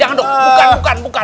jangan dong bukan bukan